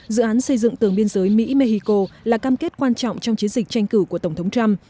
dự án xây dựng tường biên giới mỹ mexico là cam kết quan trọng trong chiến dịch tranh cử của tổng thống trump